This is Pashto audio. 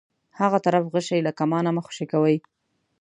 هغه طرف غشی له کمانه مه خوشی کوئ.